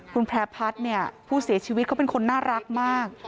คุณแพร่พัฒน์เนี่ยผู้เสียชีวิตเขาเป็นคนน่ารักมาก